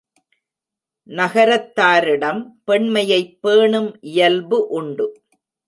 நகரத்தாரிடம் பெண்மையைப் பேணும் இயல்பு உண்டு.